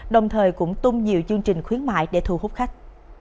đồng thời cũng tung nhiều chương trình khuyến mại để thu hút khách